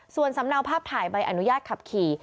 ส่วนสำเนาภาพถ่ายใบอนุญาตขับขี่